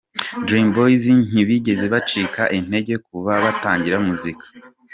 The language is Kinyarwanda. Dream Boyz ntibigeze bacika intege kuva batangira muzika.